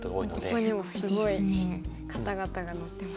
ここにもすごい方々が載ってますね。